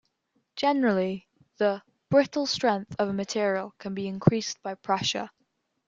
Generally, the "brittle strength" of a material can be increased by pressure.